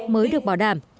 mới được bảo đảm